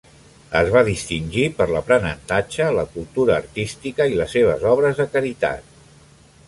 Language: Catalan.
Es va distingir per l'aprenentatge, la cultura artística i les seves obres de caritat.